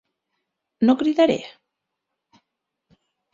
No cridaré!